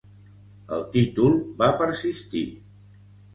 El títol va persistir.